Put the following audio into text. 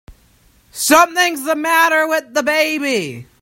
Something's the matter with the baby!